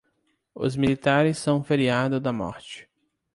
Os militares são um feriado da morte.